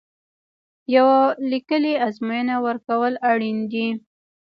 یوه لیکلې ازموینه ورکول اړین دي.